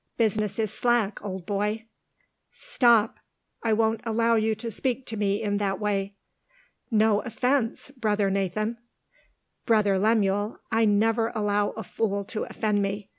Business is slack, old boy " "Stop! I don't allow you to speak to me in that way." "No offence, brother Nathan!" "Brother Lemuel, I never allow a fool to offend me.